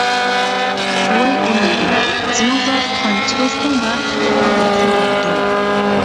بوۋاي ئۇنىڭدىن سېنىڭ زادى قانچە دوستۇڭ بار؟ دەپ سوراپتۇ.